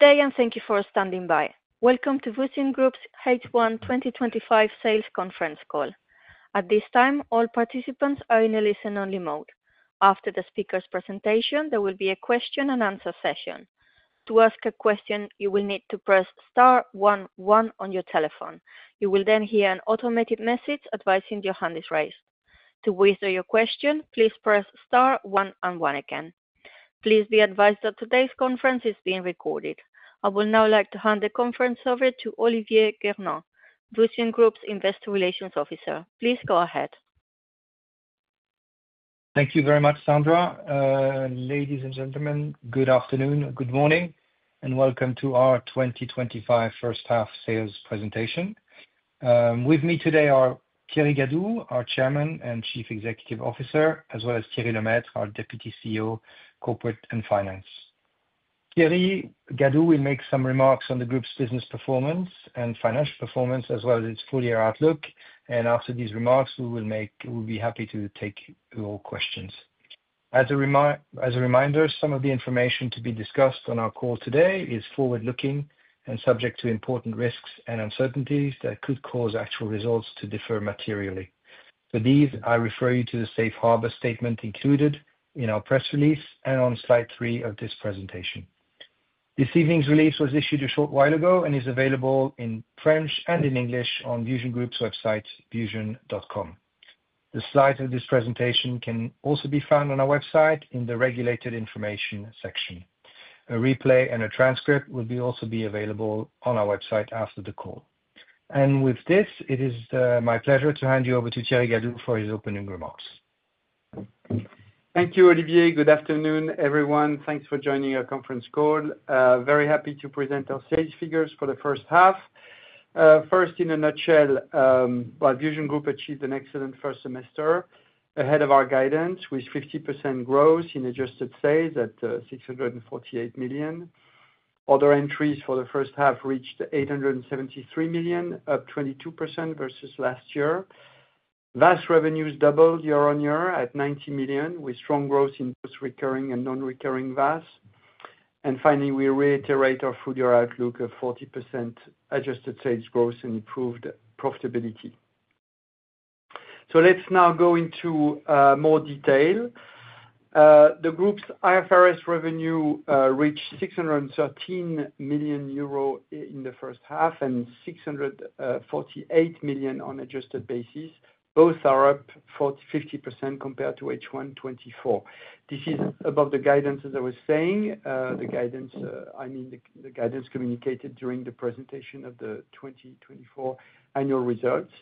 Good day and thank you for standing by. Welcome to VusionGroup's H1 2025 sales conference call. At this time, all participants are in a listen only mode. After the speaker's presentation, there will be a question and answer session. To ask a question, you will need to press one one on your telephone. You will then hear an automated message advising your hand is raised. To withdraw your question, please press star one and one again. Please be advised that today's conference is being recorded. I would now like to hand the conference over to Olivier Gernandt, VusionGroup's Investor Relations Officer. Please go ahead. Thank you very much, Sandra. Ladies and gentlemen, good afternoon, good morning and welcome to our 2025 first half sales presentation. With me today are Thierry Gadou, our Chairman and Chief Executive Officer, as well as Thierry Lemaitre, our Deputy CEO. Corporate and Finance Thierry Gadou will make some remarks on the Group's business performance and financial performance as well as its full year outlook. After these remarks we will be happy to take your questions. As a reminder, some of the information to be discussed on our call today is forward looking and subject to important risks and uncertainties that could cause actual results to differ materially. For these, I refer you to the Safe Harbor statement included in our press release and on slide three of this presentation. This evening's release was issued a short while ago and is available in French and in English on VusionGroup's website, vusion.com. The slides of this presentation can also be found on our website in the regulated information section. A replay and a transcript will also be available on our website after the call. With this, it is my pleasure to hand you over to Thierry Gadou for his opening remarks. Thank you, Olivier. Good afternoon everyone. Thanks for joining our conference call. Very happy to present our sales figures for the first half. First, in a nutshell, VusionGroup achieved an excellent first semester ahead of our guidance with 50% growth in adjusted sales at 648 million. Order entries for the first half reached 873 million, up 22% versus last year. VAS revenues doubled year on year at 90 million, with strong growth in both recurring and non-recurring VAS. Finally, we reiterate our full year outlook of 40% adjusted sales growth and improved profitability. Let's now go into more detail. The Group's IFRS revenue reached 613 million euro in the first half and 648 million on an adjusted basis. Both are up 50% compared to H1 2024. This is above the guidance, as I was saying, the guidance communicated during the presentation of the 2024 annual results.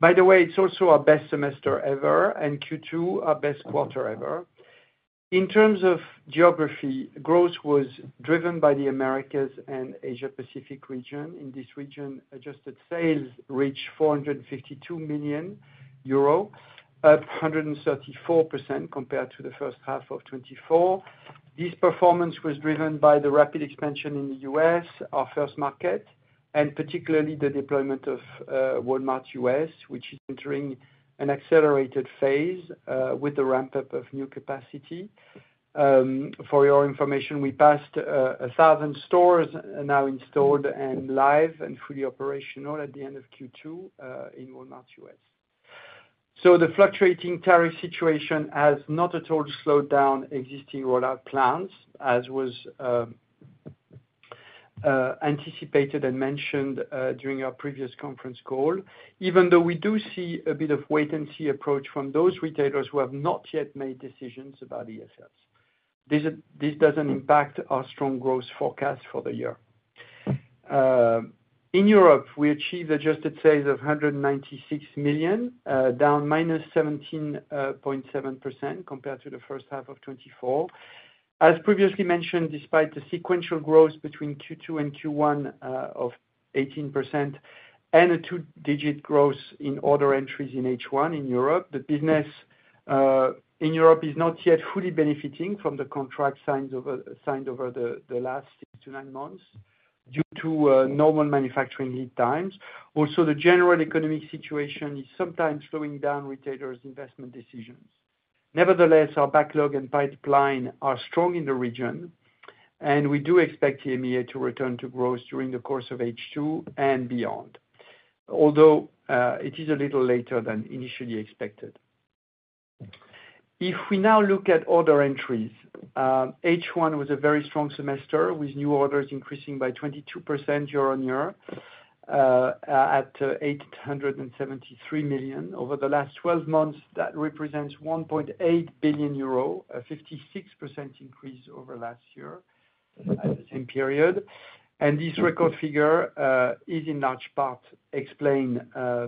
By the way, it's also our best semester ever and Q2 our best quarter ever. In terms of geography, growth was driven by the Americas and Asia-Pacific region. In this region, adjusted sales reached 452 million euro, up 134% compared to H1 2024. This performance was driven by the rapid expansion in the U.S., our first market, and particularly the deployment of Walmart U.S. which is entering an accelerated phase with the ramp up of new capacity. For your information, we passed 1,000 stores now installed and live and fully operational at the end of Q2 in Walmart U.S. The fluctuating tariff situation has not at all slowed down existing rollout plans as was anticipated and mentioned during our previous conference call. Even though we do see a bit of wait and see approach from those retailers who have not yet made decisions about ESLs, this doesn't impact our strong growth forecast for the year. In Europe we achieved adjusted sales of 196 million, down -17.7% compared to first half of 2024. As previously mentioned, despite the sequential growth between Q2 and Q1 of 18% and a two-digit growth in order entries in H1 in Europe, the business in Europe is not yet fully benefiting from the contracts signed over the last six to nine months due to normal manufacturing lead times. Also, the general economic situation is sometimes slowing down retailers' investment decisions. Nevertheless, our backlog and pipeline are strong in the region and we do expect EMEA to return to growth during the course of H2 and beyond, although it is a little later than initially expected. If we now look at order entries, H1 was a very strong semester with new orders increasing by 22% year on year at 873 million over the last 12 months. That represents 1.8 billion euro, a 56% increase over last year at the same period and this record figure is in large part explained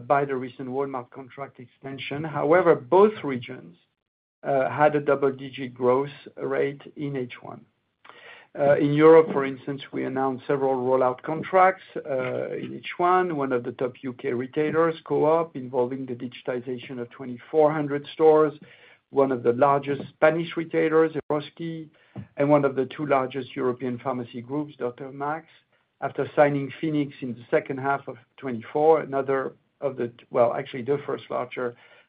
by the recent Walmart contract extension. However, both regions had a double-digit growth rate in H1. In Europe, for instance, we announced several rollout contracts in H1, one of the top U.K. retailers, Co-op, involving the digitization of 2,400 stores, one of the largest Spanish retailers, Eroski, and one of the two largest European pharmacy groups, Dr. Max, after signing Phoenix in 2H2024, actually the first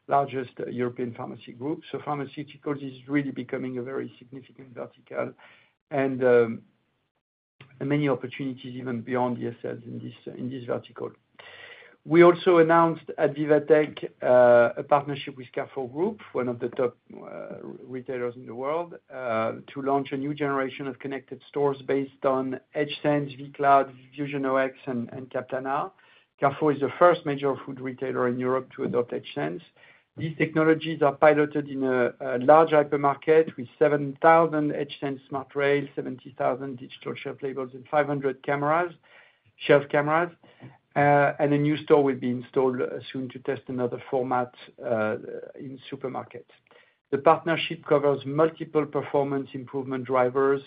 largest European pharmacy group. Pharmaceuticals is really becoming a very significant vertical and many opportunities even beyond ESL in this vertical. We also announced at VivaTech a partnership with Carrefour Group, one of the top retailers in the world, to launch a new generation of connected stores based on EdgeSense, vCloud, VusionOX, and Captana. Carrefour is the first major food retailer in Europe to adopt EdgeSense. These technologies are piloted in a large hypermarket with 7,000 EdgeSense smart rails, 70,000 digital shelf labels, and 500 cameras. Shelf cameras and a new store will be installed soon to test another format in supermarket. The partnership covers multiple performance improvement drivers,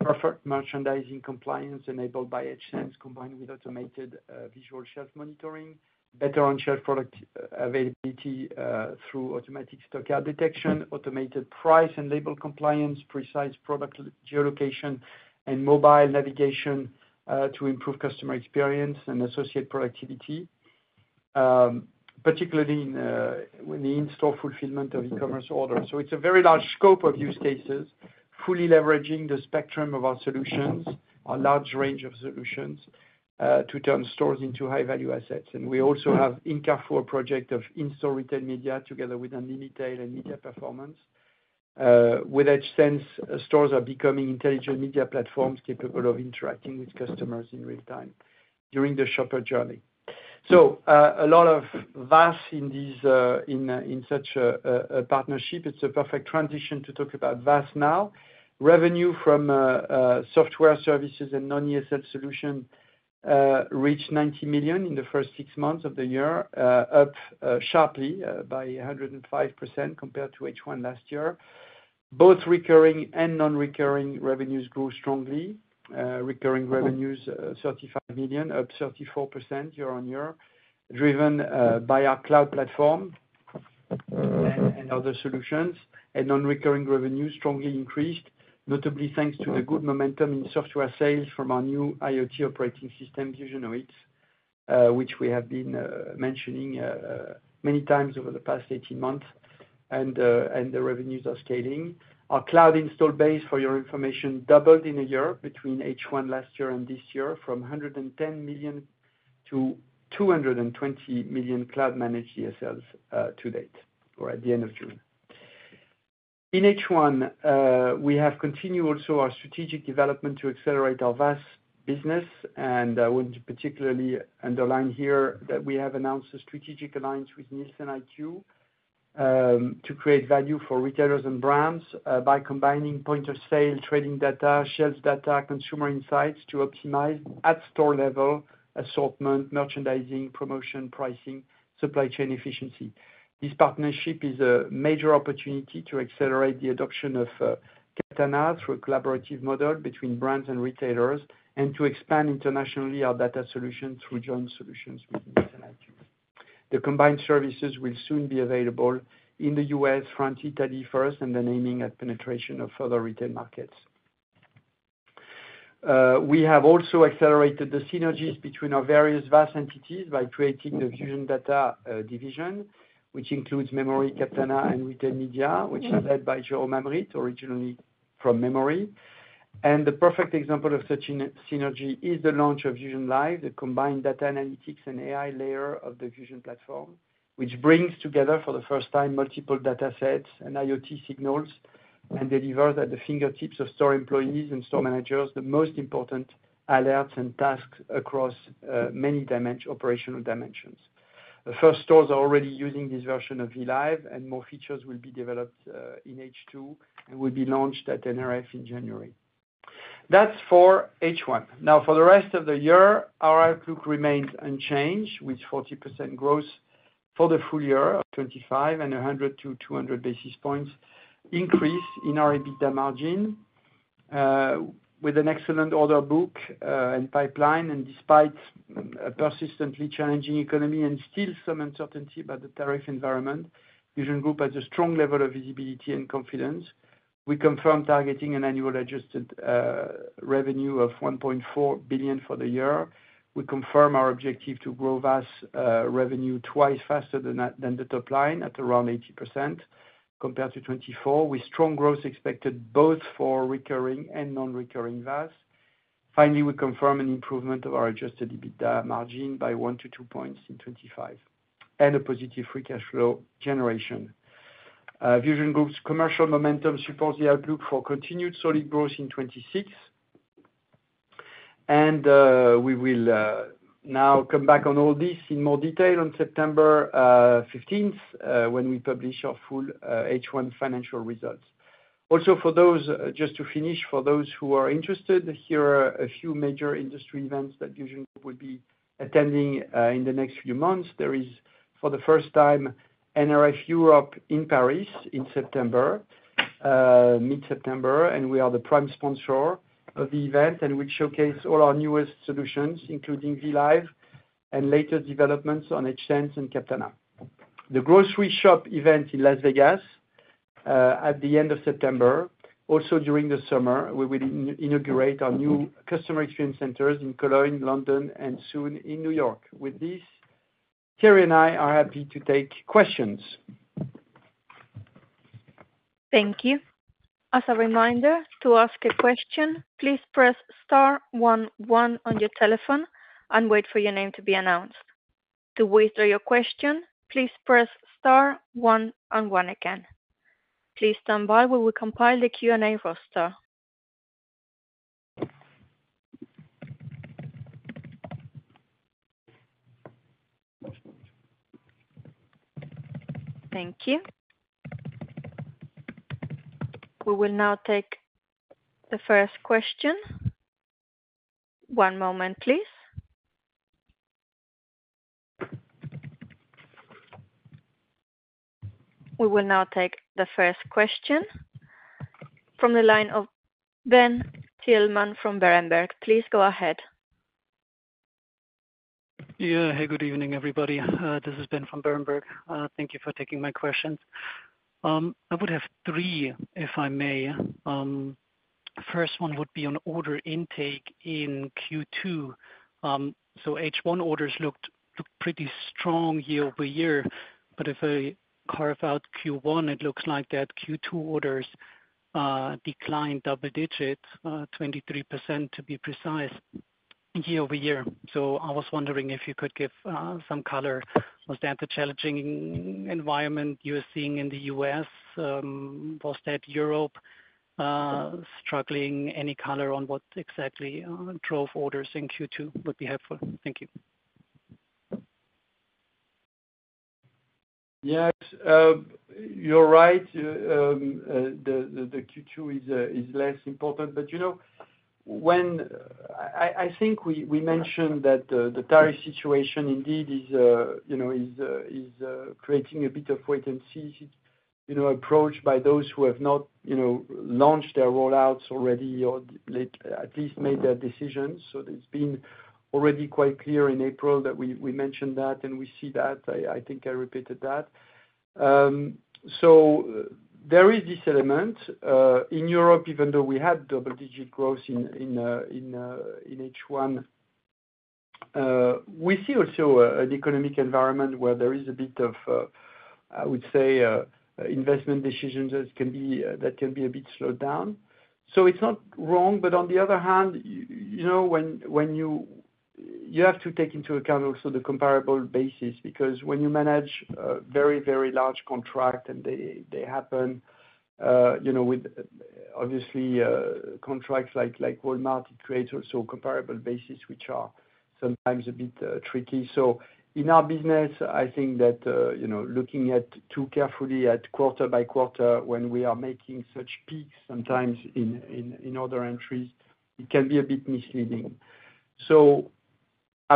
perfect merchandising compliance enabled by EdgeSense combined with automated visual shelf monitoring, better on-shelf product availability through automatic stockout detection, automated price and label compliance, precise product geolocation, and mobile navigation to improve customer experience and associate productivity, particularly when the in-store fulfillment of e-commerce order. It's a very large scope of use cases fully leveraging the spectrum of our solutions, a large range of solutions to turn stores into high-value assets. We also have in the Carrefour project in-store retail media together with performance with EdgeSense. Stores are becoming intelligent media platforms capable of interacting with customers in real time during the shopper journey. A lot of VAS in such a partnership. It's a perfect transition to talk about VAS now. Revenue from software services and non-ESL solution reached 90 million in the first six months of the year, up sharply by 105% compared to H1 last year. Both recurring and non-recurring revenues grew strongly, recurring revenues 35 million up 34% year on year driven by our cloud platform and other solutions, and non-recurring revenue strongly increased notably thanks to the good momentum in software sales from our new IoT operating system VusionOX, which we have been mentioning many times over the past 18 months and the revenues are scaling. Our cloud install base for your information doubled in a year between H1 last year and this year from 110 million to 220 million cloud-managed ESLs to date or at the end of June in H1. We have continued also our strategic development to accelerate our VAS business and I want to particularly underline here that we have announced a strategic alliance with NielsenIQ to create value for retailers and brands by combining point of sale, trading data, shelf data, consumer insights to optimize at store level assortment, merchandising, promotion, pricing, supply chain efficiency. This partnership is a major opportunity to accelerate the adoption of Captana through a collaborative model between brands and retailers and to expand internationally. Our data solution through joint solutions with the combined services will soon be available in the U.S. front, Italy first, and then aiming at penetration of further retail markets. We have also accelerated the synergies between our various value-added services entities by creating the Vusion Data Division, which includes Memory, Captana, and Retail Media, which is led by Jerome Hamrit, originally from Memory, and the perfect example of such synergy is the launch of VusionLive, the combined data analytics and AI layer of the Fusion platform, which brings together for the first time multiple data sets and IoT signals and delivers at the fingertips of store employees and store managers the most important alerts and tasks across many operational dimensions. The first stores are already using this version of Fusion Live and more features will be developed in H2 and will be launched at NRF in January. That's for H1 now. For the rest of the year, our outlook remains unchanged with 40% growth for the full year of 2025 and 100-200 basis points increase in our EBITDA margin. With an excellent order book and pipeline, and despite a persistently challenging economy and still some uncertainty about the tariff environment, VusionGroup has a strong level of visibility and confidence. We confirm targeting an annual adjusted revenue of 1.4 billion for the year. We confirm our objective to grow value-added services revenue twice faster than the top line at around 80% compared to 2024 with strong growth expected both for recurring and non-recurring value-added services. Finally, we confirm an improvement of our adjusted EBITDA margin by 1 points-2 points in 2025 and a positive free cash flow generation. VusionGroup's commercial momentum supports the outlook for continued solid growth in 2026 and we will now come back on all this in more detail on September 15 when we publish our full H1 financial results. Also, just to finish, for those who are interested, here are a few major industry events that VusionGroup will be attending in the next few months. There is for the first time NRF Europe in Paris in mid-September and we are the prime sponsor of the event and we showcase all our newest solutions including VusionLive and later developments on EdgeSense and Captana. The Grocery Shop event in Las Vegas at the end of September. Also, during the summer, we will integrate our new Customer Experience Centers in Cologne, London, and soon in New York. With this, Thierry and I are happy to take questions. Thank you. As a reminder to ask a question, please press star one one on your telephone and wait for your name to be announced. To withdraw your question, please press star one and one again. Please stand by. We will compile the Q&A roster. Thank you. We will now take the first question. One moment, please. We will now take the first question from the line of Ben Thielman from Berenberg. Please go ahead. Yeah. Hey, good evening everybody. This is Ben from Bernberg. Thank you for taking my questions. I would have three if I may. First, one would be on order intake in Q2. H1 orders looked pretty strong year over year. If I carve out Q1, it looks like Q2 orders declined double digit, 23% to be precise, year over year. I was wondering if you could give some color. Was that the challenging environment you are seeing in the U.S.? Was that Europe struggling? Any color on what exactly drove orders in Q2 would be helpful. Thank you. Yes, you're right, the Q2 is less important. When I think we mentioned that the tariff situation indeed is creating a bit of wait and see approach by those who have not launched their rollouts already or at least made their decisions. It's been already quite clear in April that we mentioned that and we see that. I think I repeated that. There is this element in Europe, even though we had double-digit growth in H1, we see also an economic environment where there is a bit of, I would say, investment decisions that can be a bit slowed down. It's not wrong. On the other hand, you have to take into account also the comparable basis because when you manage very, very large contract and they happen with obviously contracts like Walmart creates also comparable basis which are sometimes a bit tricky. In our business I think that looking too carefully at quarter by quarter, when we are making such peaks, sometimes in other entries it can be a bit misleading. I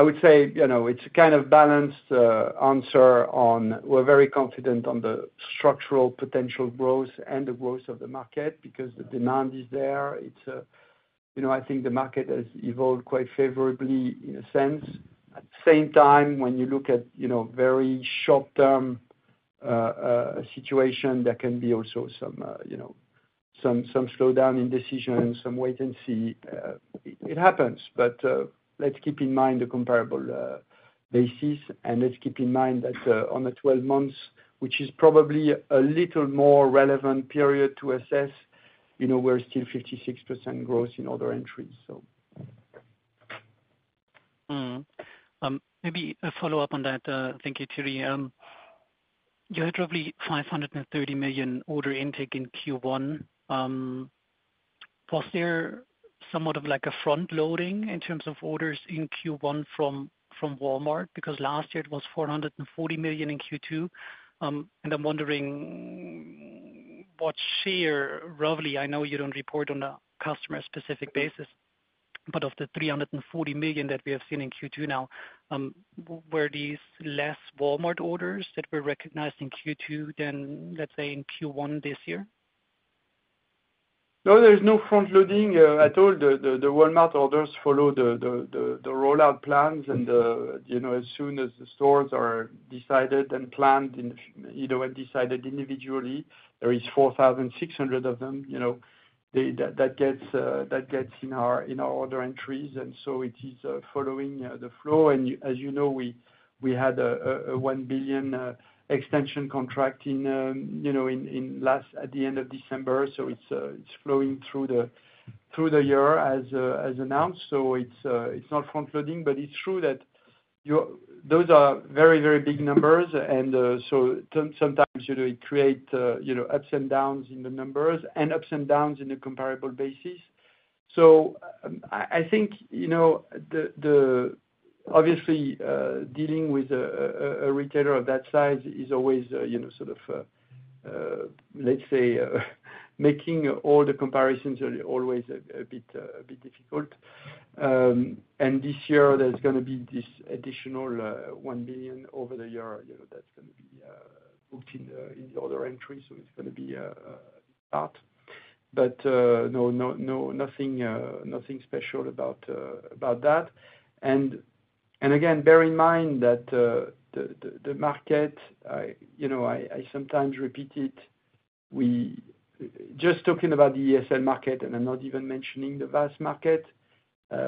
would say it's a kind of balanced answer on we're very confident on the structural potential growth and the growth of the market because the demand is there. I think the market has evolved quite favorably in a sense. At the same time, when you look at very short-term situation, there can be also some slowdown in decision, some wait and see. It happens. Let's keep in mind the comparable basis and let's keep in mind that on the 12 months, which is probably a little more relevant period to assess, you know, we're still 56% growth in other entries. Maybe a follow up on that. Thank you. Thierry, you had roughly 530 million order intake in Q1. Was there somewhat of a front loading in terms of orders in Q1 from Walmart? Last year it was 440 million in Q2. I'm wondering what share roughly. I know you don't report on a customer specific basis, but of the 340 million that we have seen in Q2, were these less Walmart orders that were recognized in Q2 than in Q1 this year? No, there is no front loading at all. The Walmart orders follow the rollout plans and, you know, as soon as the stores are decided and planned and decided individually, there is 4,600 of them. You know that gets in our order entries and it is following the flow. As you know, we had a 1 billion extension contract at the end of December. It is flowing through the year as announced. It is not front loading, but it is true that those are very, very big numbers. Sometimes it creates ups and downs in the numbers and ups and downs on a comparable basis. I think obviously dealing with a retailer of that size is always, let's say, making all the comparisons always a bit difficult. This year there is going to be this additional 1 billion over the year that is going to be booked in the order entry. It is going to be. No, nothing special about that. Again, bear in mind that the market, I sometimes repeat it, we are just talking about the ESL market and I am not even mentioning the VAS market,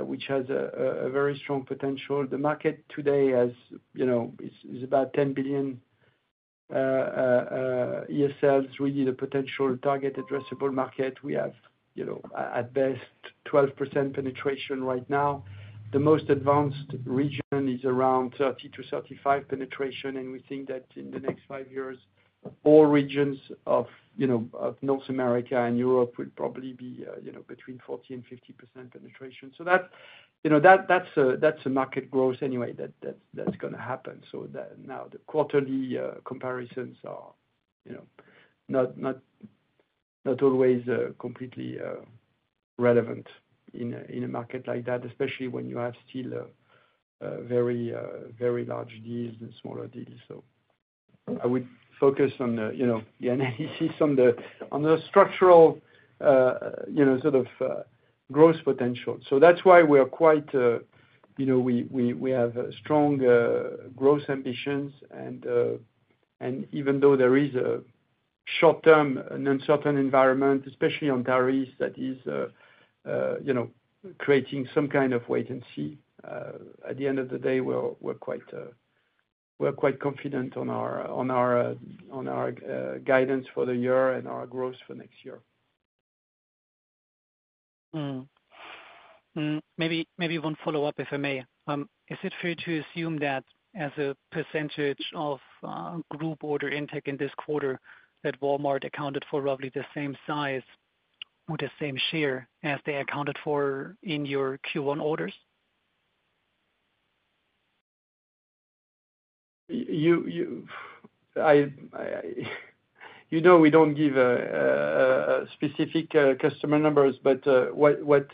which has a very strong potential. The market today is about 10 billion. ESL is really the potential target addressable market. We have at best 12% penetration right now. The most advanced region is around 30%-35% penetration. We think that in the next five years all regions of North America and Europe will probably be between 40% and 50% penetration. That is a market growth anyway that is going to happen. Now the quarterly comparisons are. Not. Always completely relevant in a market like that, especially when you have still very, very large deals and smaller deals. I would focus on the analysis on the structural sort of growth potential. That’s why we are quite, you know, we have strong growth ambitions, and even though there is a short term uncertain environment, especially on areas that is creating some kind of wait and see, at the end of the day we're quite confident on our guidance for the year and our growth for next year. Maybe one follow up if I may, is it fair to assume that as a percentage of group order intake in this quarter that Walmart accounted for roughly the same size with the same share as they accounted for in your Q1 orders? You know, we don't give specific customer numbers, but for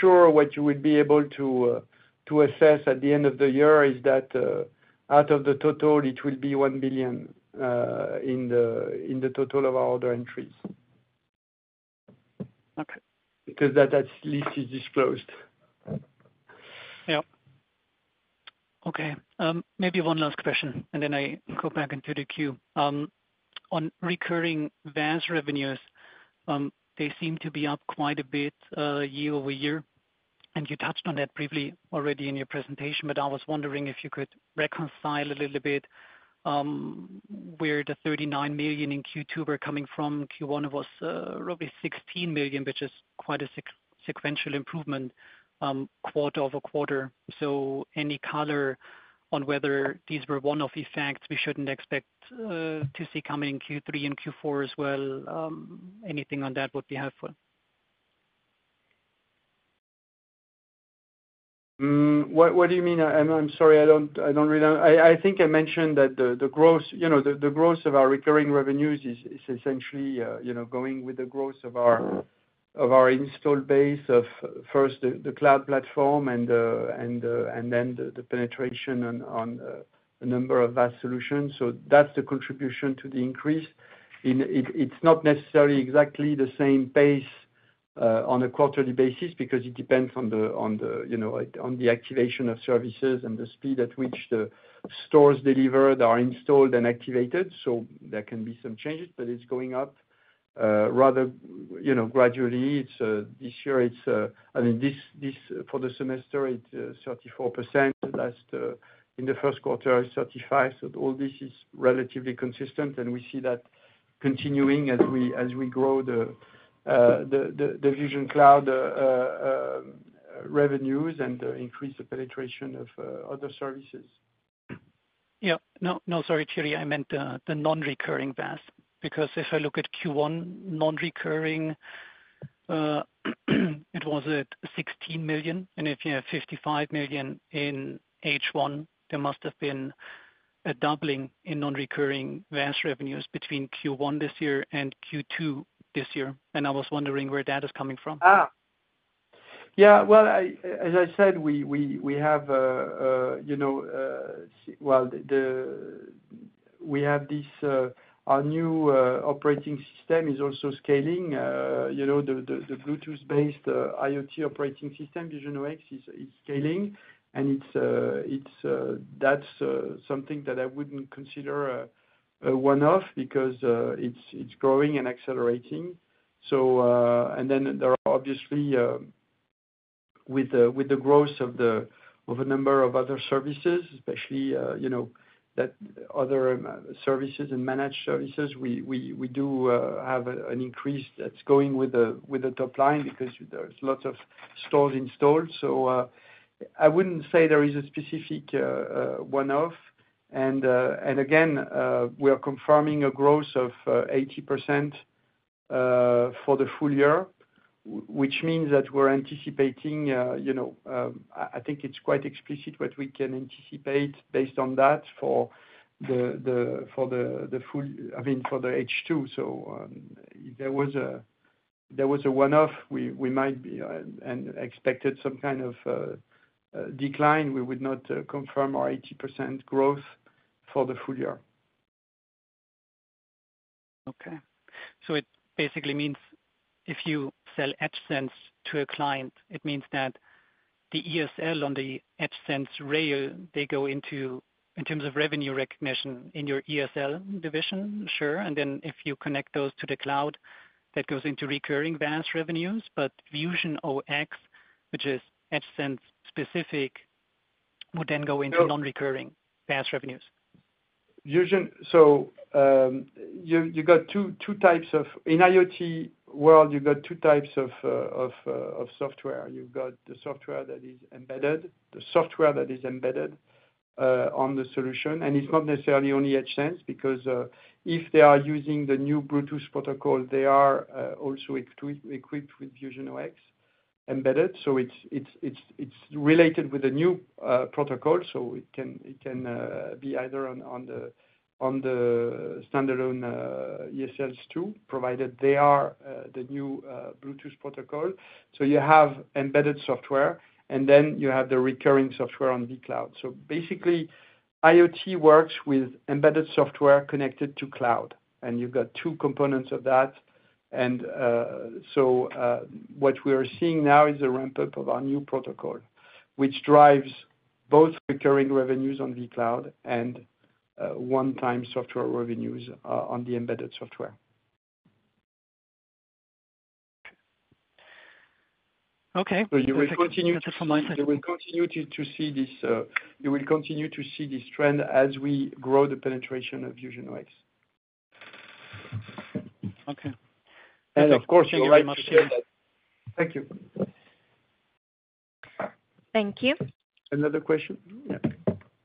sure what you would be able to assess at the end of the year is that out of the total, it will be 1 billion in the total of our order entries, because that list is disclosed. Okay. Maybe one last question and then I go back into the queue on recurring VAS revenues. They seem to be up quite a bit year over year, and you touched on that briefly already in your presentation. I was wondering if you could reconcile a little bit where the 39 million in Q2 were coming from. Q1 was roughly 16 million, which is quite a sequential improvement quarter over quarter. Any color on whether these were one-off effects we shouldn't expect to see coming in Q3 and Q4 as well? Anything on that would be helpful. What do you mean? I'm sorry, I don't really. I think I mentioned that the growth, the growth of our recurring revenues is essentially going with the growth of our installed base of first the cloud platform and then the penetration on a number of VAS solutions. That's the contribution to the increase. It's not necessarily exactly the same pace on a quarterly basis because it depends on the activation of services and the speed at which the stores delivered are installed and activated. There can be some changes, but it's going up rather, you know, gradually. This year it's, I mean, this for the semester, it's 34% in the first quarter. 35%. All this is relatively consistent and we see that continuing as we grow the VisionCloud revenues and increase the penetration of other services. Sorry, Thierry, I meant the non-recurring VAS, because if I look at Q1 non-recurring, it was at 16 million. If you have 55 million in H1, there must have been a doubling in non-recurring VAS revenues between Q1 this year and Q2 this year. I was wondering where that is coming from. As I said, we have, you know, our new operating system is also scaling. The Bluetooth-based IoT operating system, VusionOX, is scaling. That's something that I wouldn't consider a one-off because it's growing and accelerating. There are, obviously, with the growth of a number of other services, especially other services and managed services, we do have an increase that's going with the top line because there's lots of stores installed. I wouldn't say there is a specific one-off. Again, we are confirming a growth of 80% for the full year, which means that we're anticipating, you know, I think it's quite explicit what we can anticipate based on that for the full, I mean, for the H2. If there was a one-off, we might be expected some kind of decline. We would not confirm our 80% growth for the full year. It basically means if you sell EdgeSense to a client, it means that the electronic shelf labels on the EdgeSense rail, they go into, in terms of revenue recognition, in your electronic shelf labels division. Sure. If you connect those to the cloud, that goes into recurring value-added services revenues. VusionOX, which is EdgeSense specific, would then go into non-recurring value-added services revenues. You got two types of, in IoT world, you've got two types of software. You've got the software that is embedded, the software that is embedded on the solution. It's not necessarily only EdgeSense because if they are using the new Bluetooth protocol, they are also equipped with VusionOX embedded. It's related with the new protocol. It can be either on the standalone ESL too, provided they are the new Bluetooth protocol. You have embedded software and then you have the recurring software on vCloud. Basically, IoT works with embedded software connected to cloud and you've got two components of that. What we are seeing now is a ramp up of our new protocol which drives both recurring revenues on the cloud and one-time software revenues on the embedded software. Okay. You will continue to see this trend as we grow the penetration of VisionCloud. Okay. Of course, thank you. Thank you. Another question.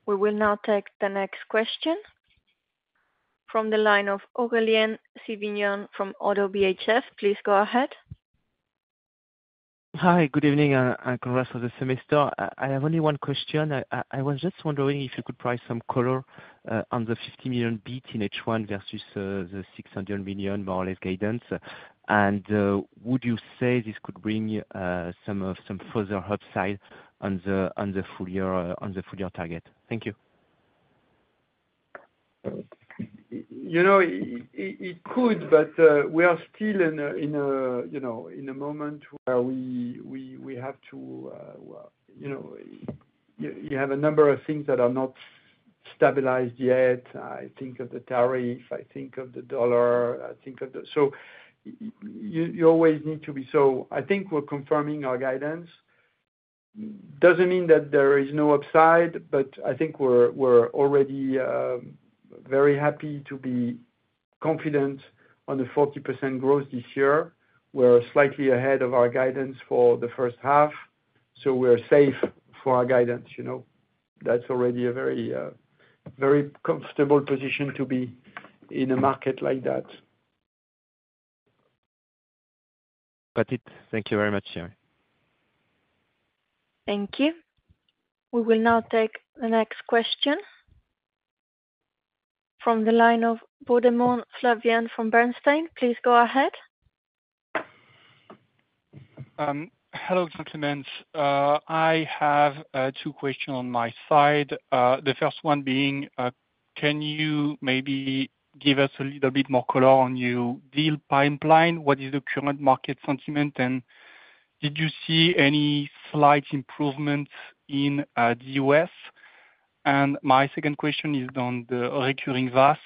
We will now take the next question from the line of Aurelien Sivignon from Odo BHF. Please go ahead. Hi, good evening and congratulations, Semester. I have only one question. I was just wondering if you could. Provide some color on the 50 million. Bit in H1 versus the 600 million more or less guidance. Would you say this could bring. Some further upside on the full year? On the full year target? Thank you. It could, but we are still in a moment where we have to. You have a number of things that are not stabilized yet. I think of the tariff, I think of the dollar. You always need to be. I think we're confirming our guidance. It doesn't mean that there is no upside. I think we're already very happy to be confident on the 40% growth this year. We're slightly ahead of our guidance for the first half, so we're safe for our guidance. That's already a very comfortable position to be in a market like that. Thank you very much, Sir. Thank you. We will now take the next question from the line of Flavien Bordemont from Bernstein. Please go ahead. Hello gentlemen. I have two questions on my side. The first one being, can you maybe give us a little bit more color on your deal pipeline? What is the current market sentiment and did you see any slight improvements in the U.S.? My second question is on the recurring VAS,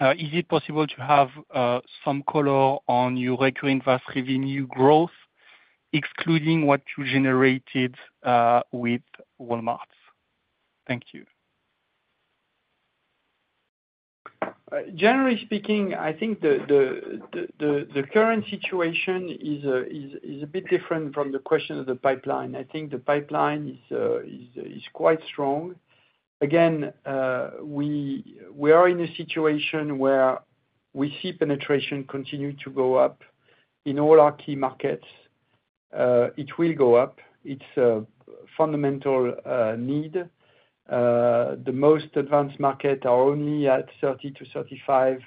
is it possible to have some color on your recurring VAS revenue growth excluding what you generated with Walmart? Thank you. Generally speaking, I think the current situation is a bit different from the question of the pipeline. I think the pipeline is quite strong. Again, we are in a situation where we see penetration continue to go up in all our key markets. It will go up. It's a fundamental need. The most advanced markets are only at 30%-35%.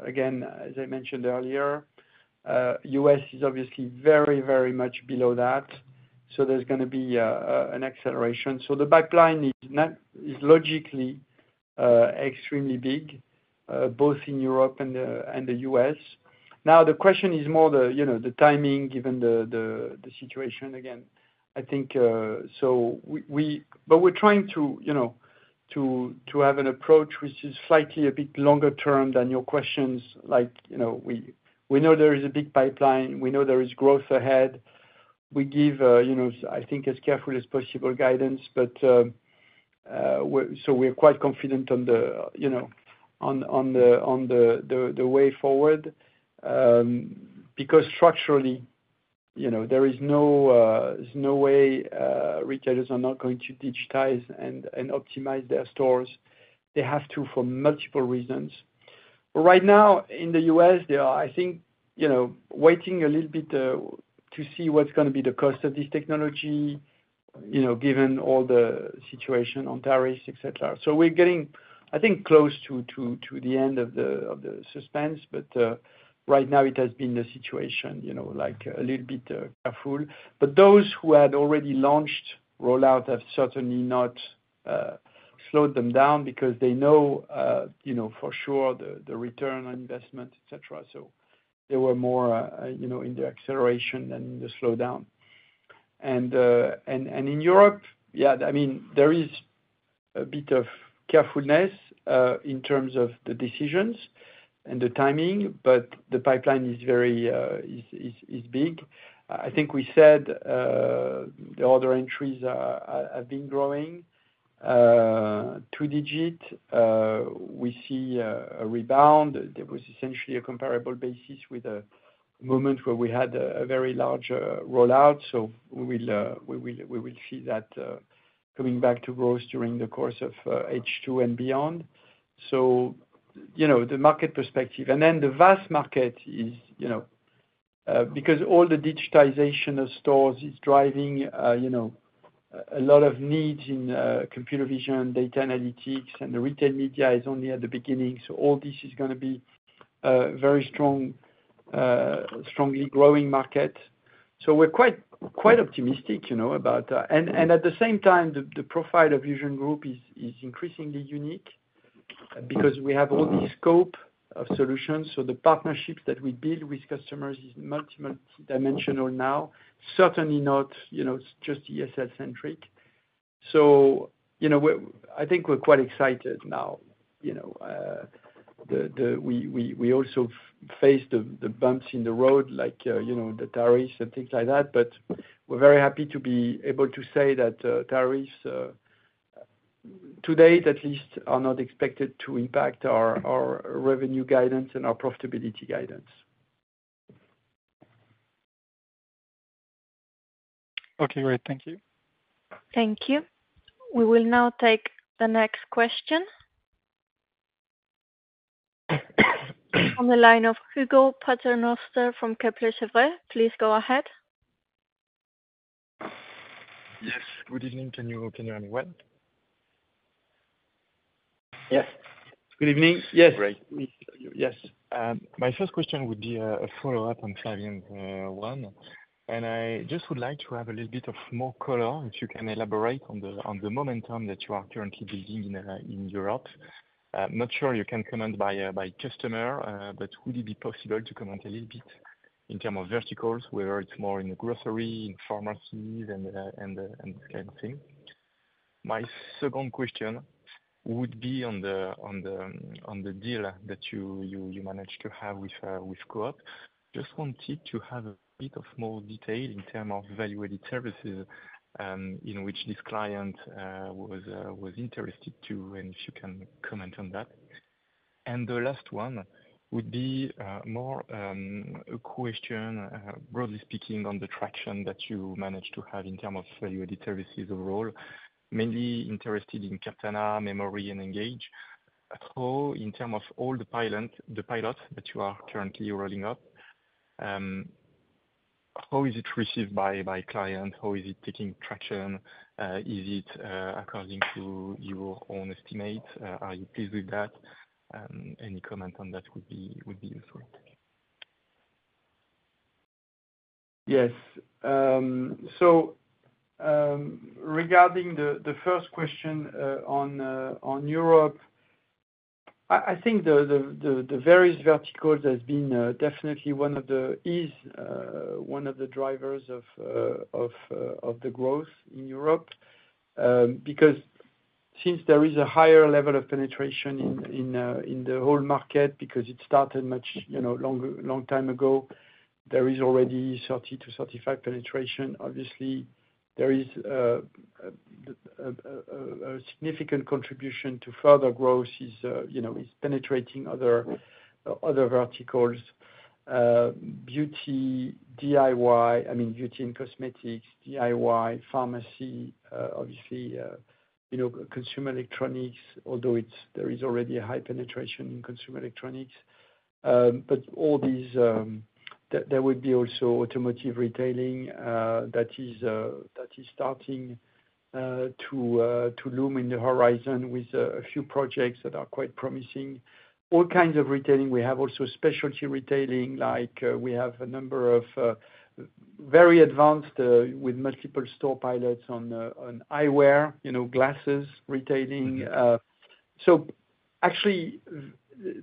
Again, as I mentioned earlier, the U.S. is obviously very, very much below that. There is going to be an acceleration. The pipeline is logically extremely big both in Europe and the U.S. The question is more the timing given the situation. I think we're trying to have an approach which is slightly a bit longer term than your questions. We know there is a big pipeline, we know there is growth ahead. We give, I think, as careful as possible guidance. We are quite confident on the way forward because structurally there is no way retailers are not going to digitize and optimize their stores. They have to for multiple reasons. Right now in the U.S. they are, I think, waiting a little bit to see what's going to be the cost of this technology, given all the situation on tariffs, etc. We're getting, I think, close to the end of the suspense. Right now it has been the situation, a little bit careful. Those who had already launched rollout have certainly not slowed them down because they know for sure the return on investment, etc. They were more in the acceleration than the slowdown. In Europe, there is a bit of carefulness in terms of the decisions and the timing. The pipeline is big. I think we said the order entries have been growing two digit. We see a rebound. There was essentially a comparable basis with a movement where we had a very large rollout. We will see that coming back to growth during the course of H2 and beyond. The market perspective and then the VAS market is, because all the digitization of stores is driving a lot of needs in computer vision, data analytics and the retail media is only at the beginning. All this is going to be a very strong, strongly growing market. We're quite optimistic, you know, about it. At the same time, the profile of VusionGroup is increasingly unique because we have all this scope of solutions. The partnerships that we build with customers are multidimensional now, certainly not just ESL centric. I think we're quite excited now. You know, we also face the bumps in the road like, you know, the tariffs and things like that. We're very happy to be able to say that tariffs to date at least are not expected to impact our revenue guidance and our profitability guidance. Okay, great. Thank you. Thank you. We will now take the next question on the line of Hugo Paternoster from Kepler Cheuvreux. Please go ahead. Yes, good evening, can you hear me well? Yes, good evening. Yes, yes. My first question would be a follow up on Flavian and I just would like to have a little bit of more color. If you can elaborate on the momentum that you are currently building in Europe. I'm not sure you can comment by customer, but would it be possible to comment a little bit in terms of verticals, whether it's more in the grocery. In pharmacies and this kind of thing. My second question would be on the deal that you managed to have with Co-op. I just wanted to have a bit more detail in terms of value-added services in which this client was interested and if you can comment on that. The last one would be more a question, broadly speaking, on the traction that you manage to have in terms of value-added services. Overall, mainly interested in Captana, Memory, and Engage. In terms of all the pilots that you are currently rolling out. How. Is it received by client? How is it taking traction? Is it according to your own estimate? Are you pleased with that? Any comment on that would be useful, Yes. Regarding the first question on Europe, I think the various verticals have been definitely one of the drivers of the growth in Europe because since there is a higher level of penetration in the whole market because it started much long time ago, there is already 30%-35% penetration. Obviously, there is a significant contribution to further growth in penetrating other verticals. Beauty, DIY, I mean beauty and cosmetics, DIY, pharmacy, obviously consumer electronics, although there is already a high penetration in consumer electronics. All these. There would be also automotive retailing that is starting to loom on the horizon with a few projects that are quite promising, all kinds of retailing. We have also specialty retailing, like we have a number of very advanced with multiple store pilots on eyewear, you know, glasses retailing. Actually,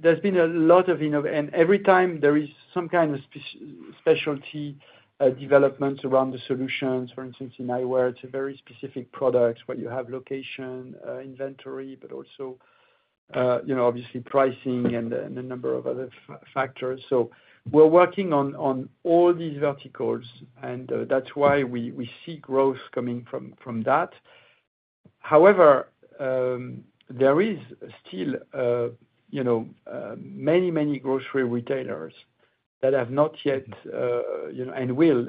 there's been a lot of, and every time there is some kind of specialty developments around the solutions. For instance, in eyewear, it's a very specific product where you have location, inventory, but also, you know, obviously pricing and a number of other factors. We're working on all these verticals and that's why we see growth coming from that. However, there are still many, many grocery retailers that have not yet and will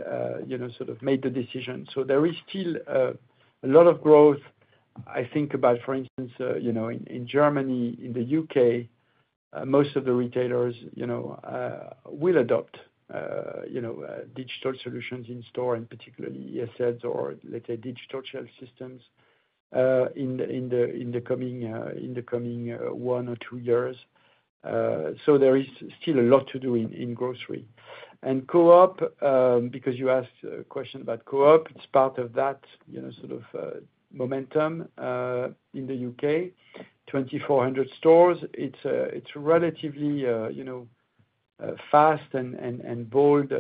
sort of made the decision. There is still a lot of growth. I think about, for instance, in Germany, in the U.K., most of the retailers will adopt digital solutions in store and particularly ESLs or let's say digital shelf systems in the coming one or two years. There is still a lot to do in grocery and Co-op. Because you asked a question about Co-op, it's part of that sort of momentum in the U.K., 2,400 stores. It's a relatively fast and bold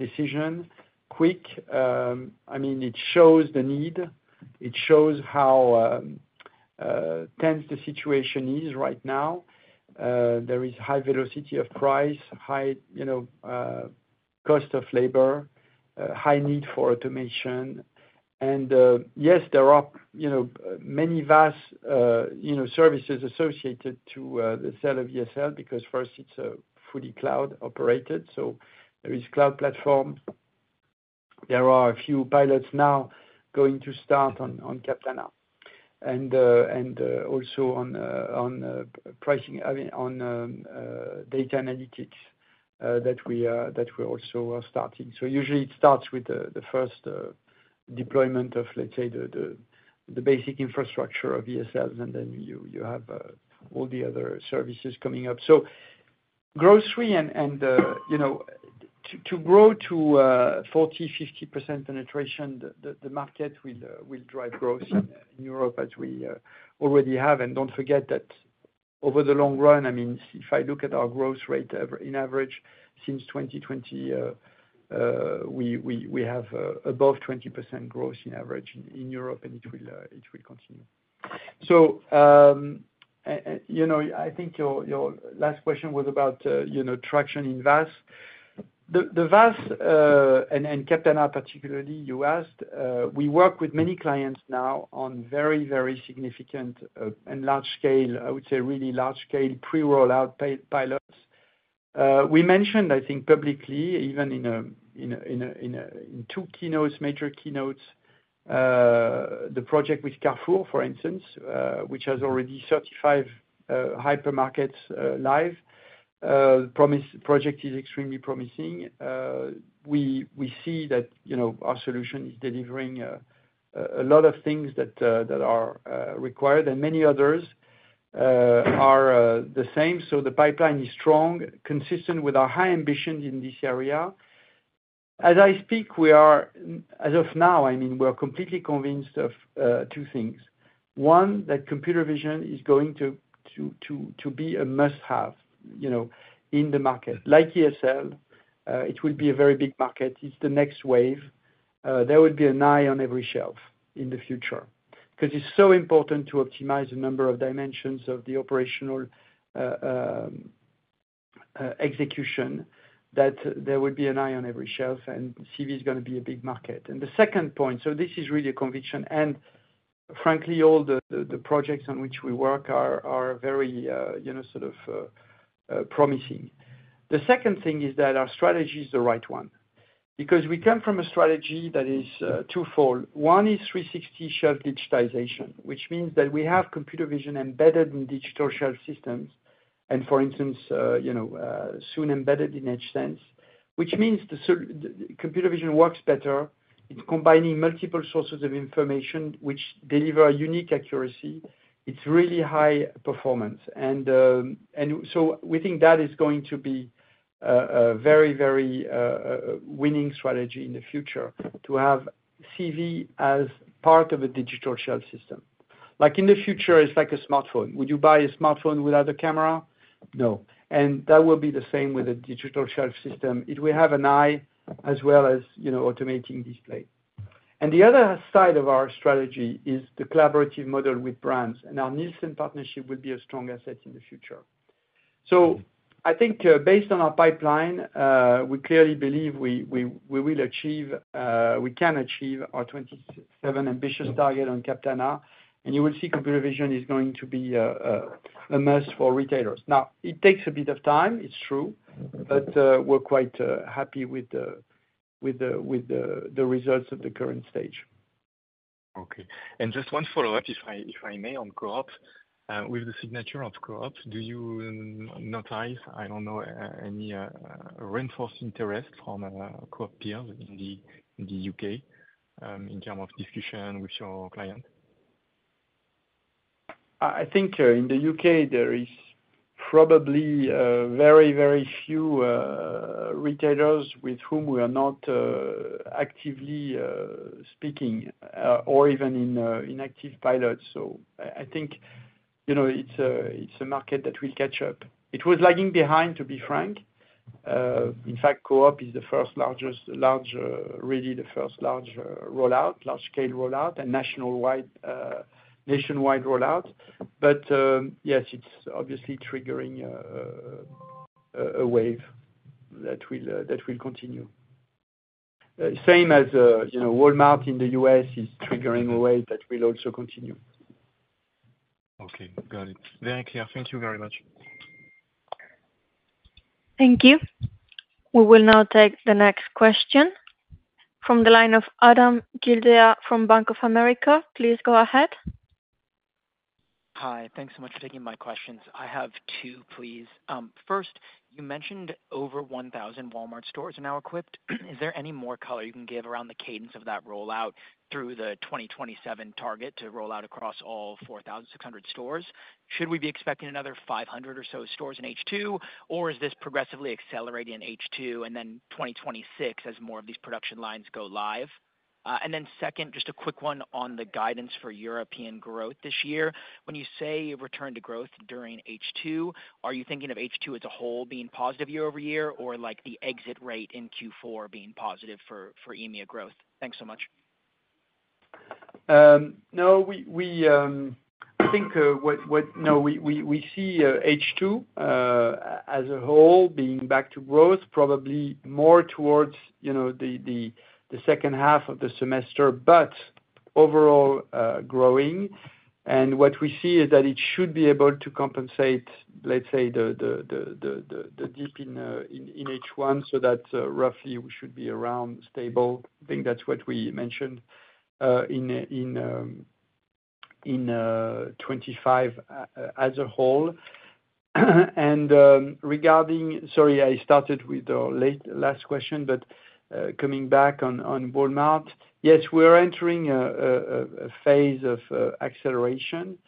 decision, quick. It shows the need, it shows how tense the situation is right now. There is high velocity of price, high cost of labor, high need for automation. Yes, there are many value-added services associated to the sale of ESL because first it's fully cloud operated. There is cloud platform. There are a few pilots now going to start on Captana and also on data analytics that we also are starting. Usually it starts with the first deployment of, let's say, the basic infrastructure of electronic shelf labels, and then you have all the other services coming up. Grocery tends to grow to 40%, 50% penetration. The market will drive growth in Europe as we already have. Don't forget that over the long run, if I look at our growth rate on average since 2020, we have above 20% growth on average in Europe, and it will continue. I think your last question was about traction in VAS. The VAS and Captana, particularly, you asked. We work with many clients now on very, very significant and large-scale, I would say really large-scale, pre-rollout pilots. We mentioned, I think publicly, even in two keynotes, major keynotes, the project with Carrefour, for instance, which has already 35 hypermarkets live. The project is extremely promising. We see that our solution is delivering a lot of things that are required, and many others are the same. The pipeline is strong, consistent with our high ambitions in this area. As I speak, we are, as of now, completely convinced of two things. One, that computer vision is going to be a must-have in the market like electronic shelf labels. It will be a very big market. It's the next wave. There will be an eye on every shelf in the future because it's so important to optimize a number of dimensions of the operational execution that there will be an eye on every shelf. Computer vision is going to be a big market. The second point, this is really a conviction, and frankly, all the projects on which we work are very promising. The second thing is that our strategy is the right one because we come from a strategy that is twofold. One is 360 shelf digitization, which means that we have computer vision embedded in digital shelf systems and, for instance, soon embedded in EdgeSense, which means computer vision works better. It's combining multiple sources of information which deliver unique accuracy. It's really high performance. We think that is going to be a very, very winning strategy in the future to have CV as part of a digital shelf system. In the future, it's like a smartphone. Would you buy a smartphone without a camera? No. That will be the same with a digital shelf system if we have an eye as well as automating display. The other side of our strategy is the collaborative model with brands, and our NielsenIQ partnership will be a strong asset in the future. I think based on our pipeline, we clearly believe we can achieve our ambitious target on Captana. You will see computer vision is going to be a must for retailers now. It takes a bit of time, it's true, but we're quite happy with the results of the current stage. Okay, just one follow up if I may, on Co-op with the signature of Co-op. Do you notice, I don't know, any reinforced interest from Co-op peers in the U.K. in terms of discussion with your client? I think in the U.K. there are probably very, very few retailers with whom we are not actively speaking or even in active pilots. I think it's a market that will catch up. It was lagging behind, to be frank. In fact, Co-op is really the first large rollout, large scale rollout and nationwide rollout. Yes, it's obviously triggering a wave that will continue. Same as Walmart in the U.S. is triggering a wave that will also continue. Okay, got it, very clear. Thank you very much. Thank you. We will now take the next question from the line of Adam Gildea from Bank of America. Please go ahead. Hi, thanks so much for taking my questions. I have two, please. First, you mentioned over 1,000 Walmart stores are now equipped. Is there any more color you can give around the cadence of that rollout through the 2027 target to roll out across all 4,600 stores? Should we be expecting another 500 or so stores in H2, or is this progressively accelerating in H2 and then 2026 as more of these production lines go live? Second, just a quick one on the guidance for European growth this year. When you say return to growth during H2, are you thinking of H2 as a whole being positive year over year, or like the exit rate in Q4 being positive for EMEA growth? Thanks so much. No, we think we see H2 as a whole being back to growth, probably more towards, you know, the second half of the semester, but overall growing, and what we see is that it should be able to compensate, let's say, the dip in H1, so that roughly we should be around stable. I think that's what we mentioned in 2025 as a whole. Regarding, sorry I started with the last question, but coming back on Walmart, yes, we're entering a phase of acceleration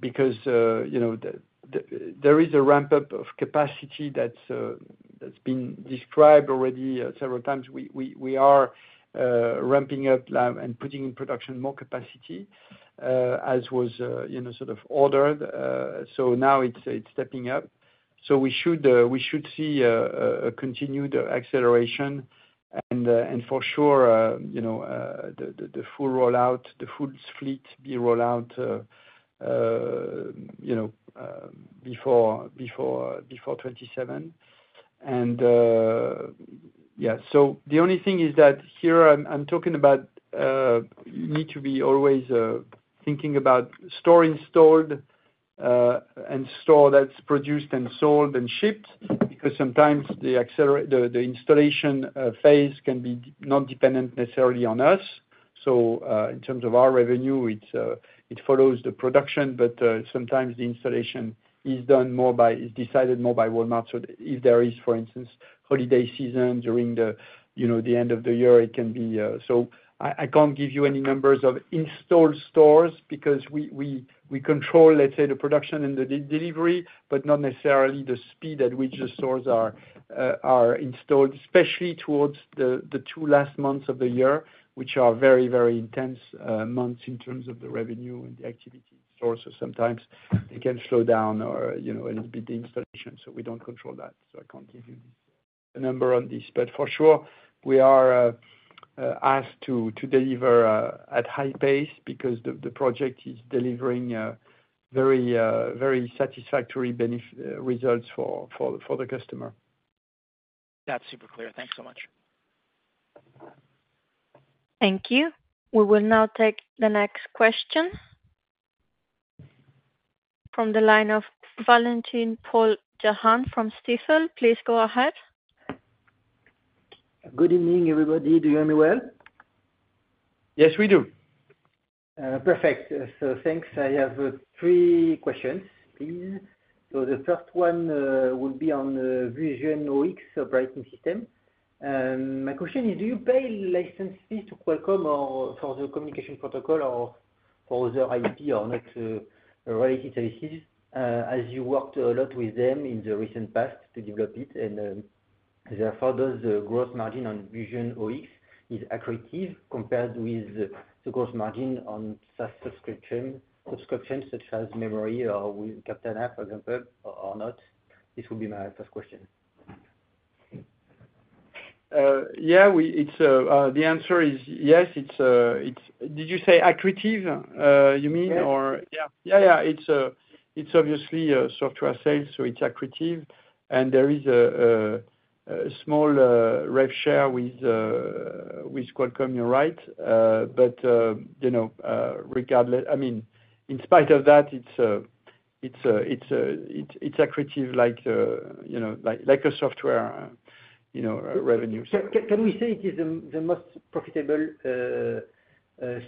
because, you know, there is a ramp up of capacity that's been described already several times. We are ramping up and putting in production more capacity as was sort of ordered. Now it's stepping up. We should see a continued acceleration, and for sure, you know, the full rollout, the full fleet will be rolled out, you know, before 2027. The only thing is that here I'm talking about, you need to be always thinking about store installed and store that's produced and sold and shipped because sometimes the installation phase can be not dependent necessarily on us. In terms of our revenue, it follows the production, but sometimes the installation is done more by Walmart. If there is, for instance, holiday season during the, you know, the end of the year, it can be. I can't give you any numbers of installed stores because we control, let's say, the production and the delivery but not necessarily the speed at which the stores are installed, especially towards the two last months of the year, which are very, very intense months in terms of the revenue and the activity stores. Sometimes they can slow down a little bit the installation. We don't control that. I can't give you a number on this, but for sure we are asked to deliver at high pace because the project is delivering very satisfactory results for the customer. That's super clear. Thanks so much. Thank you. We will now take the next question from the line of Valentin-Paul Jahan from Stifel. Please go ahead. Good evening, everybody. Doing me well? Yes, we do. Perfect. Thanks. I have three questions. The first one will be on. VisionOX operating system. My question is do you pay license. Fees to Qualcomm or for the communication. Protocol for the IP or not. Related services as you worked a lot with them in the recent past too. Develop it and therefore does the gross margin on VisionCloud is accretive compared. With the gross margin on SaaS subscriptions such as Memory or not? This would be my first question. Yeah. The answer is yes. Did you say accretive you mean or. Yeah, yeah, yeah. It's obviously software sales, so it's accretive and there is a small rev share with Qualcomm. You're right. Regardless, I mean, in spite of that it's accretive, like, you know, like a software revenue. Can we say it is the most profitable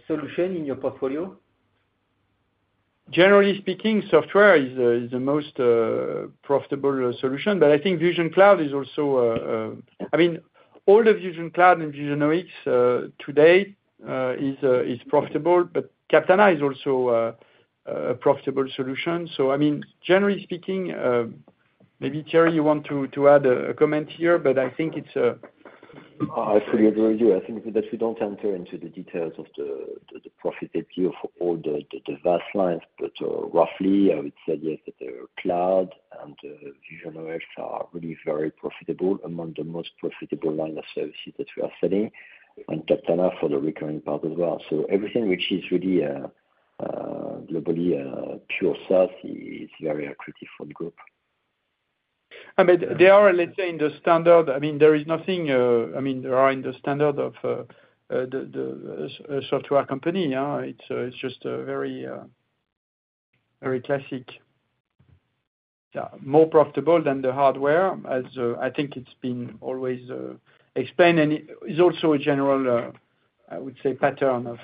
solution in your portfolio? Generally speaking, software is the most profitable solution. I think VisionCloud is also. I mean, all of VisionCloud and VisionOX today is profitable, but Captana is also a profitable solution. Generally speaking, maybe. Thierry, you want to add a comment here, but I think it's a. I fully agree with you. I think that we don't enter into the details of the profitability of all the VAS lines, but roughly I would suggest that the Cloud and VisionCloud are really very profitable, among the most profitable line of services that we are selling, and Captana for the recurring part as well. Everything which is really globally pure SaaS is very accretive for the group. I mean they are, let's say, in the standard. I mean there is nothing, I mean they are in the standard of the software company. It's just very classic, more profitable than the hardware, as I think it's been always explained, and is also a general, I would say, pattern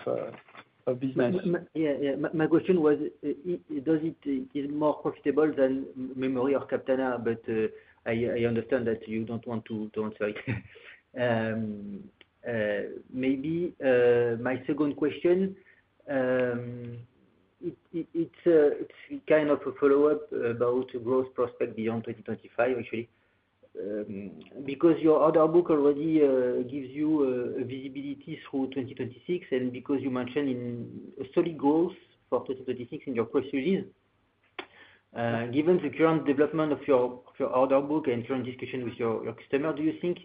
of business. Yeah, my question was more profitable than Memory or Captana, but I understand that you don't want to answer it. Maybe my second question, it's kind of a follow up about growth prospect beyond 2025 actually, because your order book already gives you. Visibility through 2026, and because you mentioned solid goals for 2026 in your pro series, given the current development of your order book and current discussion with your customer, do you think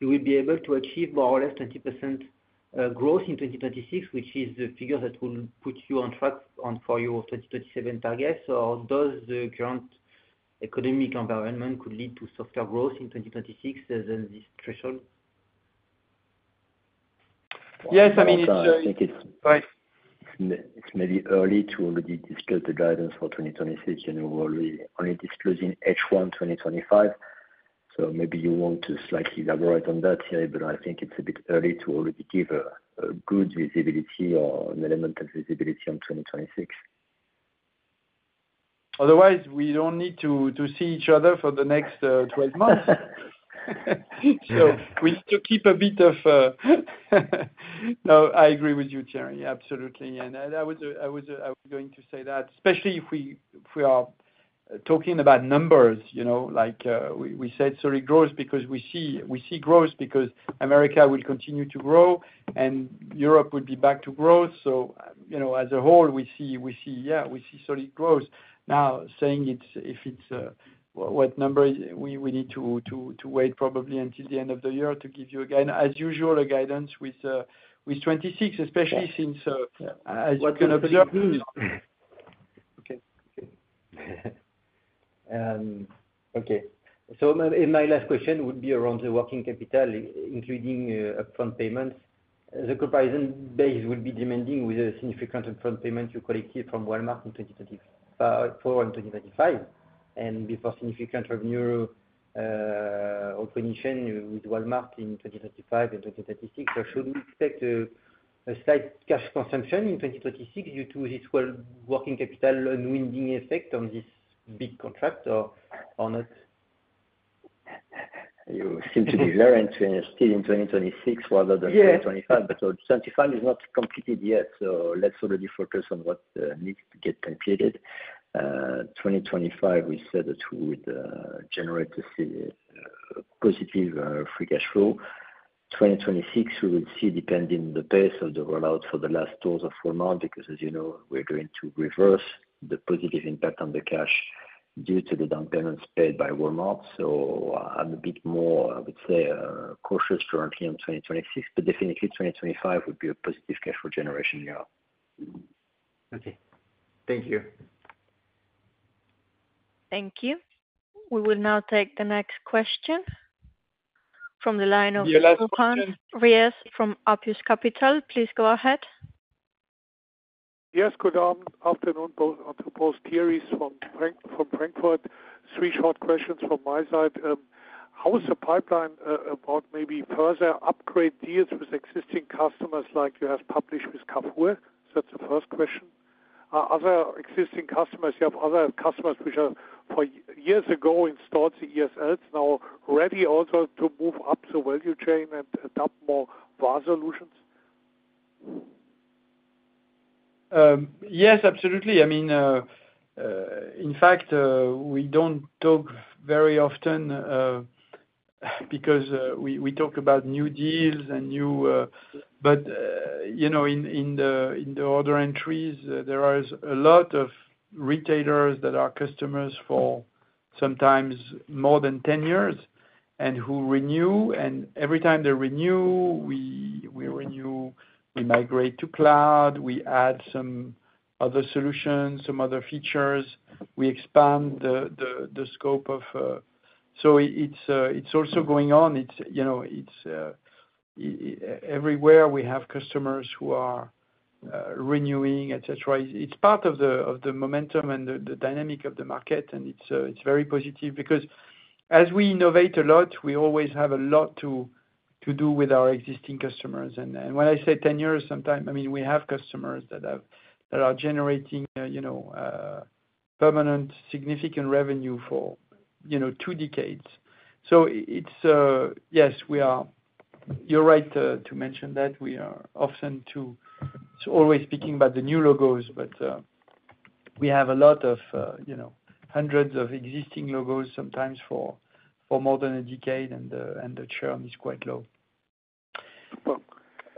you will be able to achieve more or less 20% growth in 2026, which is the figure that will put you on track for. Your 2027 targets, or does the current. Economic environment could lead to softer growth. In 2026 than this threshold? Yes, I mean. It's maybe early to already discuss the guidance for 2026, and we're only disclosing H1 2025. You may want to slightly elaborate on that here, but I think it's a bit early to already give a good visibility or an element of visibility on 2026. Otherwise, we don't need to see each other for the next 12 months. We need to keep a bit of—no, I agree with you, Thierry. Absolutely. I was going to say that, especially if we are talking about numbers. Like we said, solid growth because we see growth, because Americas will continue to grow and Europe would be back to growth. As a whole, we see, yeah, we see solid growth. Now, saying if it's what number, we need to wait probably until the end of the year to give you again, as usual, a guidance with 2026, especially since, as you can observe. Okay. Okay, so my last question would be around the working capital including upfront payments. The comparison base would be demanding with a significant upfront payment you collected from Walmart in 2024 and 2025, and before significant revenue with Walmart in 2025 and 2026. Should we expect a slight. Cash consumption in 2026 due to this working capital unwinding effect on this big contract or not? You seem to be learning still in 2026 rather than 2025. 2025 is not completed yet. Let's already focus on what needs to get completed. 2025 we said that we would generate positive free cash flow. 2026 we will see depending the pace of the rollout for the last doors of Walmart because as you know, we're going to reverse the positive impact on the cash due to the down payments paid by Walmart. I'm a bit more, I would say, cautious currently on 2026, but definitely 2025 would be a positive cash flow generation now. Okay, thank you. Thank you. We will now take the next question from the line of Johannes Ries from Apus Capital. Please go ahead. Yes, good afternoon, both. Here's from Frankfurt. Three short questions from my side. How is the pipeline about maybe further upgrade deals with existing customers like you have published with Carrefour? That's the first question. Other existing customers, you have other customers which are for years ago installed the ESL now ready also to move up the value chain and adopt more value-added services solutions? Yes, absolutely. In fact, we don't talk very often because we talk about new deals and new. You know, in the order entries, there are a lot of retailers that are customers for sometimes more than 10 years and who renew. Every time they renew, we renew, we migrate to cloud, we add some other solutions, some other features, we expand the scope of. It's also going on everywhere. We have customers who are renewing, et cetera. It's part of the momentum and the dynamic of the market. It's very positive because as we innovate a lot, we always have a lot to do with our existing customers. When I say 10 years, sometimes I mean we have customers that are generating permanent significant revenue for two decades. Yes, you are right to mention that we are often too always speaking about the new logos, but we have a lot of hundreds of existing logos, sometimes for more than a decade, and the churn is quite low.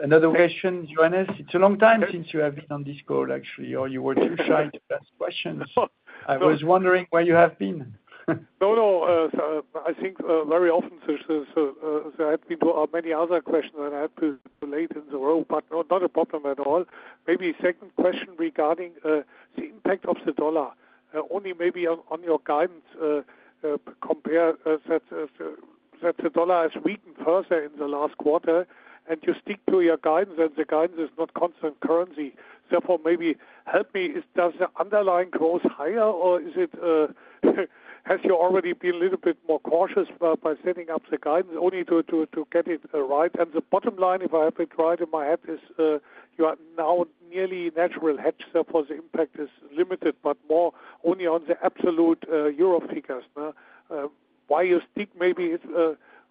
Another question, Johannes, it's a long time since you have been on this call actually, or you were too shy to ask questions. I was wondering where you have been. No, I think very often there had been many other questions that had too late in the row, but not a problem at all. Maybe second question regarding the impact of the dollar only maybe on your guidance. Compare that the dollar has weakened further in the last quarter and you stick to your guidance. The guidance is not constant currency. Therefore maybe help me, does the underlying growth higher or has you already been a little bit more cautious by setting up the guidance only to get it right? The bottom line, if I have it right in my head, is you are now nearly natural hedge, therefore the impact is limited, but more only on the absolute euro figures. Why you stick maybe,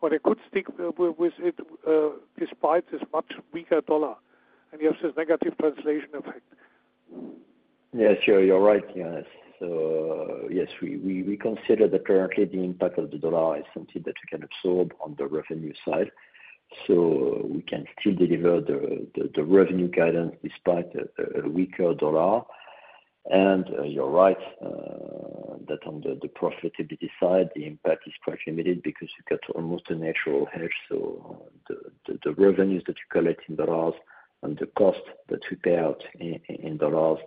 or you could stick with it despite this much weaker dollar and you have this negative translation effect. Yes, you're right, Johannes. We consider that currently the impact of the dollar is something that you can absorb on the revenue side. We can still deliver the revenue guidance despite a weaker dollar. You're right that on the profitability side the impact is quite limited because you get almost a natural hedge. The revenues that you collect in dollars and the cost that you pay out in dollars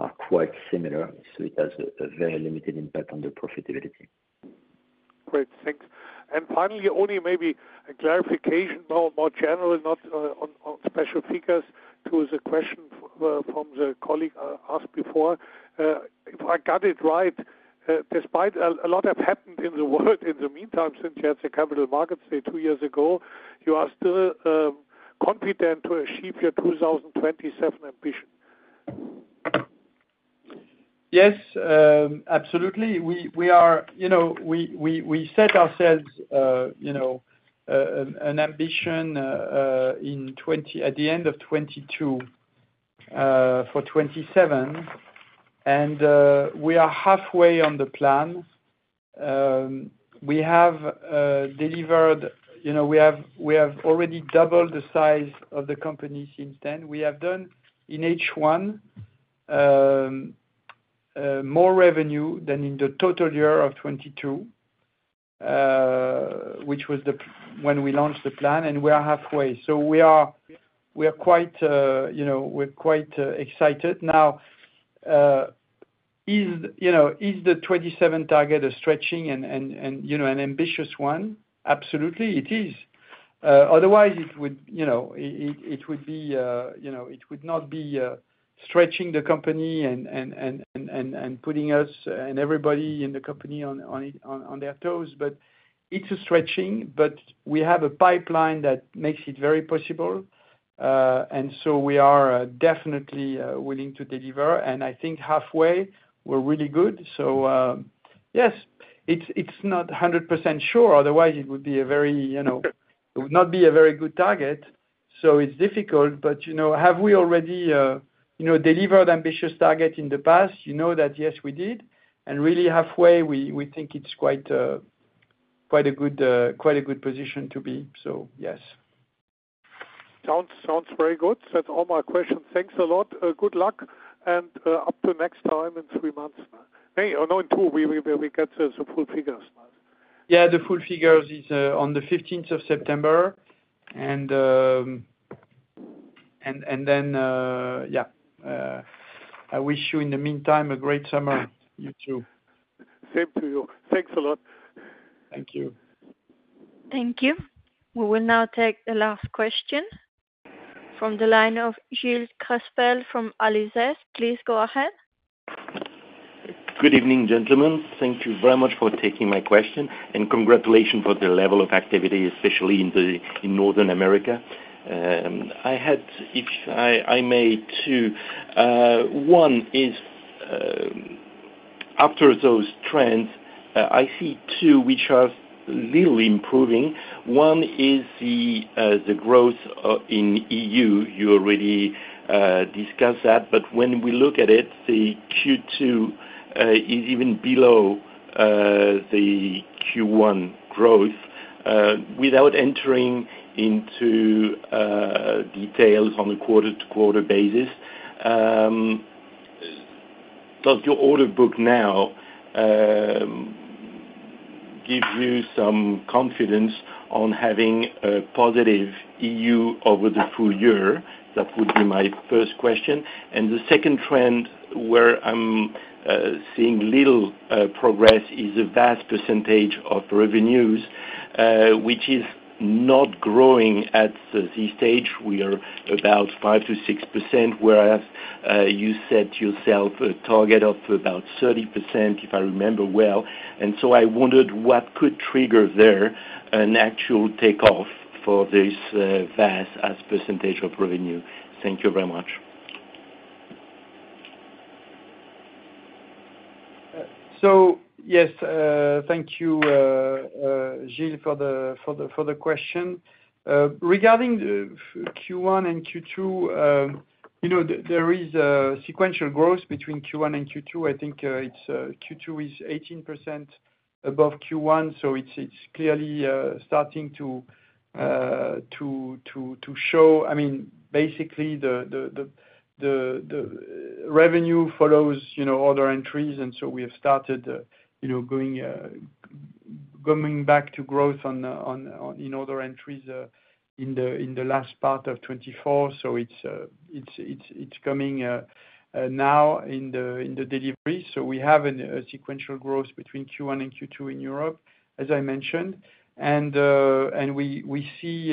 are quite similar. It has a very limited impact on the profitability. Great, thanks. Finally, maybe a clarification more general, not on special figures to the question from the colleague asked before. If I got it right, despite a lot has happened in the world in the meantime since you had the Capital Markets Day two years ago, you are still confident to achieve your 2027 ambition? Yes, absolutely, we are. You know, we set ourselves, you know, an ambition at the end of 2022 for 2027. We are halfway on the plan. We have delivered, you know, we have already doubled the size of the company since then. We have done in H1 more revenue than in the total year of 2022, which was when we launched the plan. We are halfway. We are, we're quite excited now. Is the 2027 target a stretching and an ambitious one? Absolutely it is. Otherwise it would not be stretching the company and putting us and everybody in the company on their toes. It's a stretching, but we have a pipeline that makes it very possible. We are definitely willing to deliver. I think halfway we're really good. Yes, it's not 100% sure. Otherwise it would not be a very, you know, it would not be a very good target. It's difficult. Have we already delivered ambitious target in the past? You know that. Yes, we did. Really halfway, we think it's quite a good, quite a good position to be. Yes. Sounds very good. That's all my questions. Thanks a lot. Good luck. Up to next time. In three months we get the full figures. Yeah, the full figures is on the 15th of September. I wish you in the meantime a great summer. Me too. Same to you. Thanks a lot. Thank you. Thank you. We will now take the last question from the line of Gilles Crespel from Alizés. Please go ahead. Good evening, gentlemen. Thank you very much for taking my question. Congratulations for the level of activity, especially in North America. I had, if I may, two. One is. After those trends, I see two which are little improving. One is the growth in EU. You already discussed that. When we look at it, the Q2 is even below the Q1 growth. Without entering into the details on a. Quarter to quarter basis, does your order. Book now give you some confidence on having a positive EU over the full year? That would be my first question. The second trend where I'm seeing little progress is a VAS percentage of revenues which is not growing. At this stage we are about 5%-6%, whereas you set yourself a target of about 30%, if I remember well. I wondered what could trigger there an actual takeoff for this VAS as percentage of revenue. Thank you very much. Yes, thank you, Gilles, for the question regarding Q1 and Q2. There is sequential growth between Q1 and Q2. I think Q2 is 18% above Q1. It's clearly starting to show. Basically, the revenue follows order entries, and we have started coming back to growth in order entries in the last part of 2024. It's coming now in the delivery. We have a sequential growth between Q1 and Q2 in Europe, as I mentioned, and we see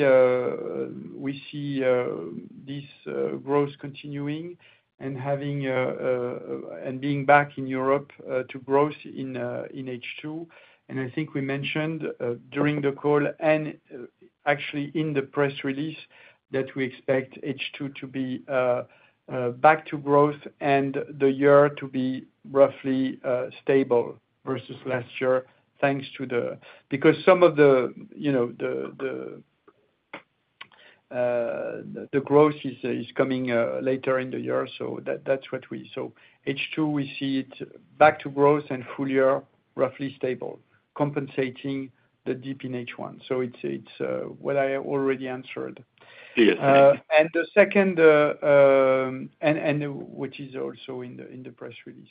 this growth continuing and being back in Europe to growth in H2. I think we mentioned during the call and actually in the press release that we expect H2 to be back to growth and the year to be roughly stable versus last year, thanks to the—because some of the growth is coming later in the year. H2, we see it back to growth and full year roughly stable, compensating the dip in H1. It's what I already answered. The second, which is also in the press release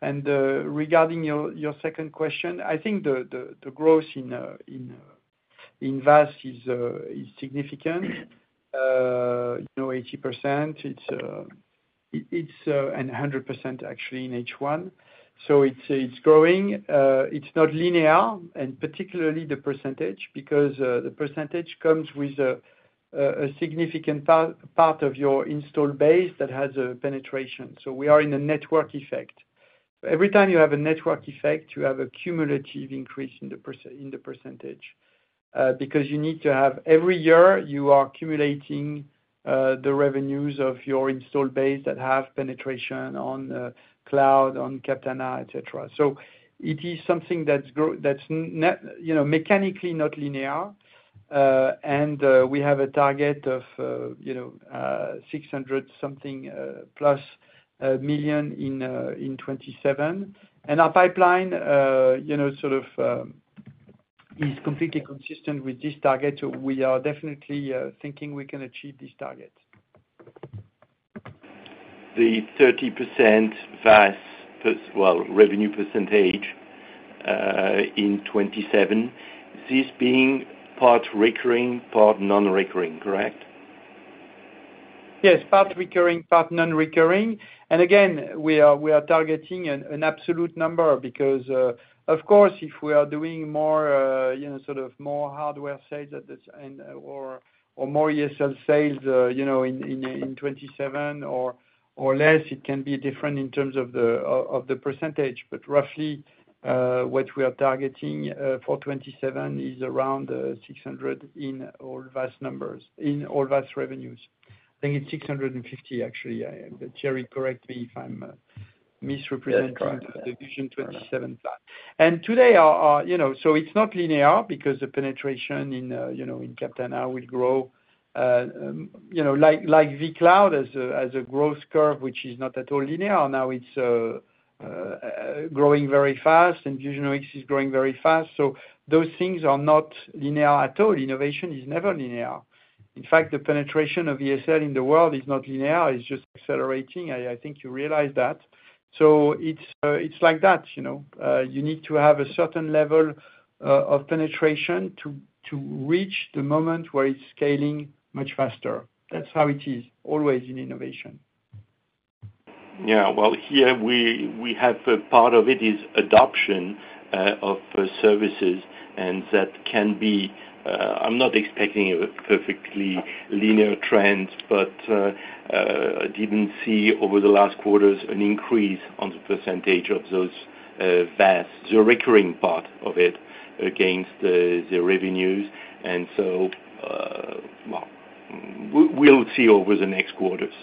and regarding your second question, I think the growth in VAS is significant. 80%. It's 100% actually in H1. It's growing. It's not linear, and particularly the percentage because the percentage comes with a significant part of your installed base that has a penetration. We are in a network effect. Every time you have a network effect, you have a cumulative increase in the percentage because you need to have every year you are accumulating the revenues of your installed base that have penetration on cloud, on Captana, et cetera. It is something that's mechanically not linear. We have a target of 600+ million in 2027, and our pipeline is completely consistent with this target. We are definitely thinking we can achieve these targets. The 30% VAS, well, revenue percentage in 2027. This being part recurring, part non-recurring, correct? Yes, part recurring, part non-recurring. We are targeting an absolute number because, of course, if we are doing more hardware sales or more ESL sales in 2027 or less, it can be different in terms of the percentage. Roughly, what we are targeting for 2027 is around 600 million in all, VAS revenues. I think it's 650 million actually. Thierry, correct me if I'm misrepresenting the Fusion 2027 plan. Today, it's not linear because the penetration in Captana will grow, like vCloud has a growth curve which is not at all linear. Now it's growing very fast, and VusionOX is growing very fast. Those things are not linear at all. Innovation is never linear. In fact, the penetration of ESL in the world is not linear, it's just accelerating. I think you realize that. You need to have a certain level of penetration to reach the moment where it's scaling much faster. That's how it is always in innovation. Yeah. Part of it is adoption of services, and that can be. I'm not expecting a perfectly linear trend, but I didn't see over the last quarters an increase on the percentage of those VAS, the recurring part of it, against the revenues. We'll see over the next quarters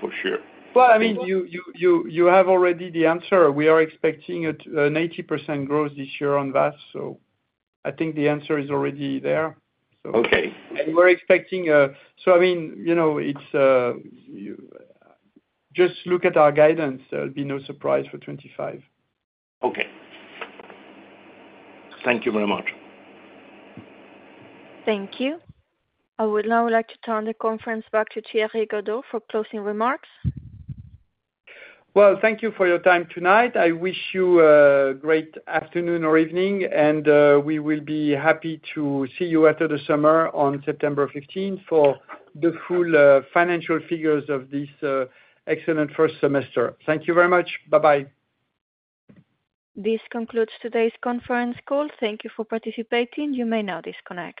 for sure. You have already the answer. We are expecting an 80% growth this year on VAS, so I think the answer is already there. We're expecting. I mean, you know, it's. Just. Look at our guidance. It'll be no surprise for 2025. Okay. Thank you very much. Thank you. I would now like to turn the conference back to Thierry Gadou for closing remarks. Thank you for your time tonight. I wish you a great afternoon or evening, and we will be happy to see you after the summer on September 15th for the full financial figures of this excellent first semester. Thank you very much. Bye bye. This concludes today's conference call. Thank you for participating. You may now disconnect.